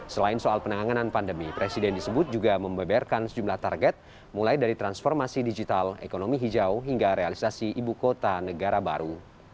selain soal penanganan pandemi presiden disebut juga membeberkan sejumlah target mulai dari transformasi digital ekonomi hijau hingga realisasi ibu kota negara baru